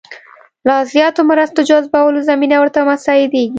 لا زیاتو مرستو جذبولو زمینه ورته مساعدېږي.